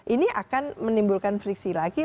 ini akan menimbulkan friksi lagi